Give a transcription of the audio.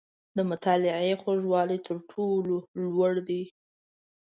• د مطالعې خوږوالی، تر ټولو لوړ دی.